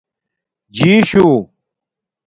جیشُو